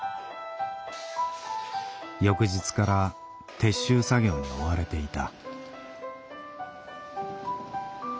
翌日から撤収作業に追われていた。